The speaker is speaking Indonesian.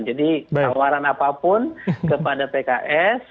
jadi tawaran apapun kepada pks